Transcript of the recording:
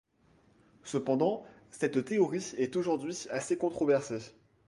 Cependant, cette théorie est aujourd'hui assez controversée.